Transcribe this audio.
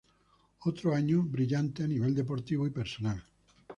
Otro año brillante a nivel deportivo y personal.